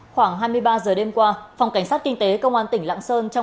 khoảng hai mươi ba h đêm qua phòng cảnh sát kinh tế công an tỉnh lạng sơn